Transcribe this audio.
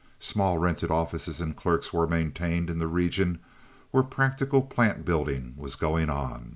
Small rented offices and clerks were maintained in the region where practical plant building was going on.